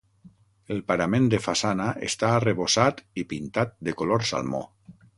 El parament de façana està arrebossat i pintat de color salmó.